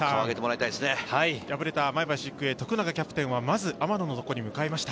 敗れた前橋育英、徳永キャプテンは雨野のところに向かいました。